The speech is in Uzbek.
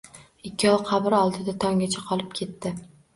Ikkov qabr oldida tonggacha qolib ketdi.